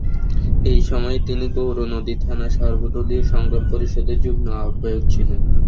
এই সময়ে তিনি গৌরনদী থানা সর্বদলীয় সংগ্রাম পরিষদের যুগ্ম আহ্বায়ক ছিলেন।